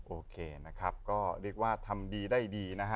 โอเคนะครับก็เรียกว่าทำดีได้ดีนะฮะ